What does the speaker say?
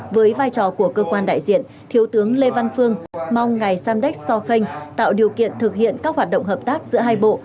với vai trò của cơ quan đại diện thiếu tướng lê văn phương mong ngày samdech so khanh tạo điều kiện thực hiện các hoạt động hợp tác giữa hai bộ